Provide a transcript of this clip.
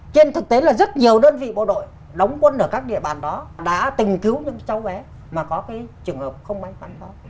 trên thực tế là rất nhiều đơn vị bộ đội đóng quân ở các địa bàn đó đã từng cứu những cháu bé mà có cái trường hợp không may mắn đó